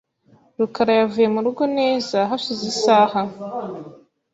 rukara yavuye murugo neza hashize isaha .